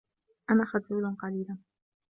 أنا خجول قليلاً.